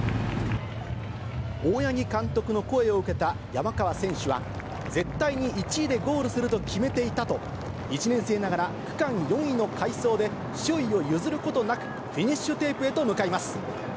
大八木監督の声を受けた山川選手は、絶対に１位でゴールすると決めていたと、１年生ながら、区間４位の快走で、首位を譲ることなくフィニッシュテープへと向かいます。